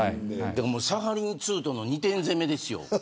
サハリン２との２点攻めですよ。